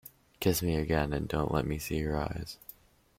Kiss me again; and don’t let me see your eyes!